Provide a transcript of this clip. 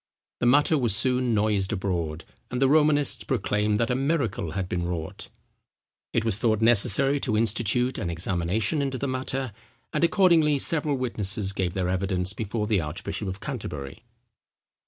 The matter was soon noised abroad, and the Romanists proclaimed that a miracle had been wrought. It was thought necessary to institute an examination into the matter; and accordingly several witnesses gave their evidence before the archbishop of Canterbury.